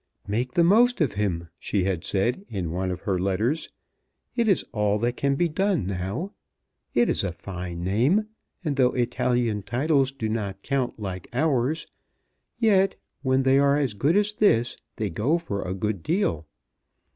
"Make the most of him," she had said in one of her letters. "It is all that can be done now. It is a fine name, and though Italian titles do not count like ours, yet, when they are as good as this, they go for a good deal.